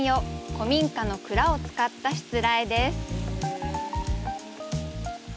古民家の蔵を使ったしつらえです。